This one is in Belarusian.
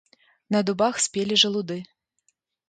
На дубах спелі жалуды.